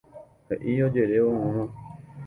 He'i ojerévo mama.